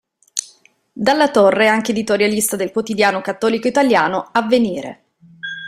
Dalla Torre è anche editorialista del quotidiano cattolico italiano "Avvenire".